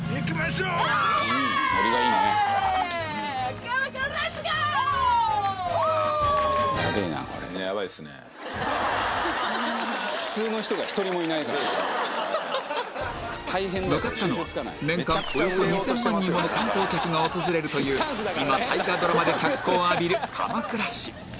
そうですね向かったのは年間およそ２０００万人もの観光客が訪れるという今大河ドラマで脚光を浴びる鎌倉市